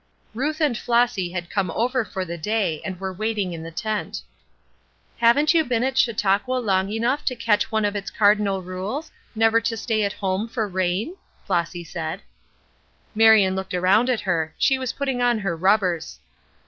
Ruth and Flossy had come over for the day, and were waiting in the tent. "Haven't you been at Chautauqua long enough to catch one of its cardinal rules, never to stay at home for rain?" Flossy said. Marion looked around at her. She was putting on her rubbers.